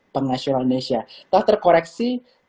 pengasional indonesia telah terkoreksi